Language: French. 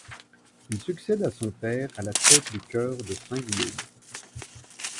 Il succède à son père à la tête du Chœur de Saint-Guillaume.